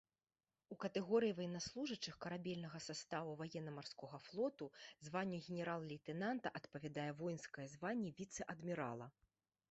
У катэгорыі ваеннаслужачых карабельнага саставу ваенна-марскога флоту званню генерал-лейтэнанта адпавядае воінскае званне віцэ-адмірала.